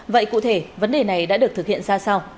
vậy cụ thể vấn đề này đã được thực hiện ra sao